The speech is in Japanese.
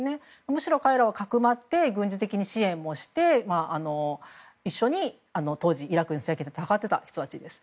むしろ彼らをかくまって軍事的に支援して当時イラクの政権と戦っていた人たちです。